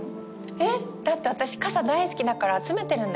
えっ？だって私傘大好きだから集めてるんだよ。